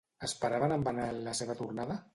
Esperaven amb anhel la seva tornada?